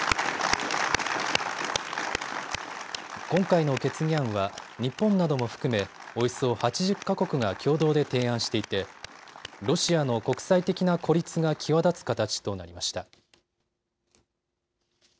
今回の決議案は日本なども含め、およそ８０か国が共同で提案していて、ロシアの国際的な孤立が際立つ形となりました。